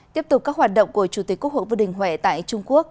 tiếp tục các hoạt động của chủ tịch quốc hội vương đình huệ tại trung quốc